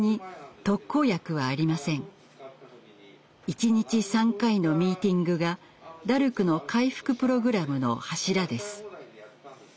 一日３回のミーティングがダルクの回復プログラムの柱です。